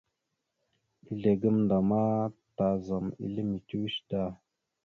Ezle gamənda ma tazam ele mitəweshe da.